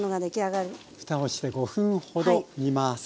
蓋をして５分ほど煮ます。